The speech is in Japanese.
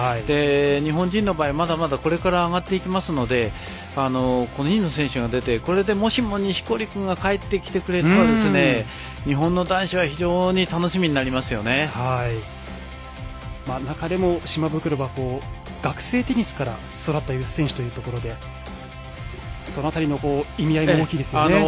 日本人の場合まだまだ上がってきますので５人の選手が出てこれで、もしも錦織君が帰ってきてくれたら日本の男子は中でも、島袋が学生テニスから育った選手ということでその辺りの意味合いも大きいですね。